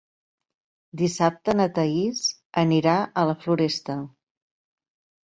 Dissabte na Thaís anirà a la Floresta.